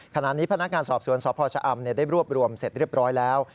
ขณะนี้พนักงานสอบสวนสพชะอำได้รวบรวมเสร็จเรียบร้อยแล้ว